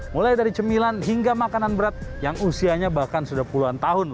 mulai dari cemilan hingga makanan berat yang usianya bahkan sudah puluhan tahun